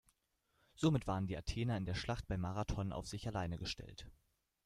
Somit waren die Athener in der Schlacht bei Marathon auf sich alleine gestellt.